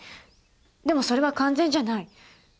でもそれは完全じゃない。